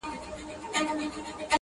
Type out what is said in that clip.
زما ونه له تا غواړي راته